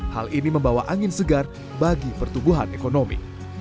hal ini membawa angin segar bagi pertumbuhan ekonomi